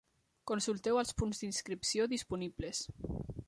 Consulteu els punts d'inscripció disponibles.